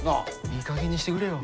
いいかげんにしてくれよ。